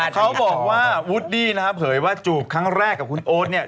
เขาบอกว่าวูดดี้เผยว่าจูบครั้งแรกกับคุณโอ๊ต